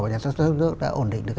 và nhà sản xuất nước đã ổn định được